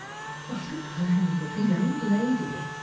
" What a grand looking old lady